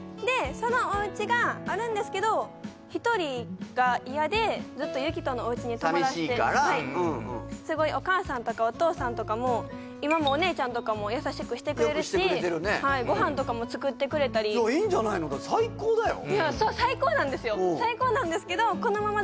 そのお家があるんですけど１人が嫌でずっとゆきとのお家に泊まらせて寂しいからすごいお母さんとかお父さんとかも今もお姉ちゃんとかも優しくしてくれるしご飯とかも作ってくれたりじゃあいいんじゃないの最高だよいやそう最高なんですよ！